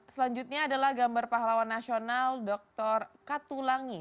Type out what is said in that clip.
selanjutnya adalah gambar pahlawan nasional dr katulangi